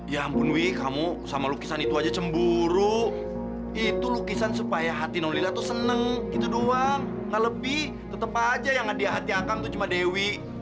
ya ampun wi kamu sama lukisan itu aja cemburu itu lukisan supaya hati nonlila tuh seneng gitu doang nggak lebih tetep aja yang hadiah hati akang tuh cuma dewi